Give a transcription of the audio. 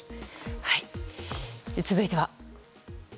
続いては。